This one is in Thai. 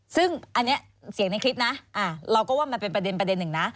ซึ่งอันนี้เสียงในคลิปนะเราก็ว่ามันเป็นประเด็นหนึ่งนะ